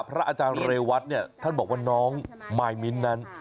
พระอาจารย์เรวัตเนี่ยท่านบอกว่าน้องมายมิ้นนั้น